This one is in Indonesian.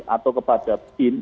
atau kepada pin